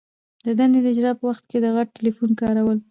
د دندي د اجرا په وخت کي د غټ ټلیفون کارول.